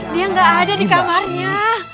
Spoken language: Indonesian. dia nggak ada di kamarnya